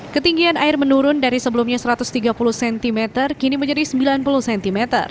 ketinggian air menurun dari sebelumnya satu ratus tiga puluh cm kini menjadi sembilan puluh cm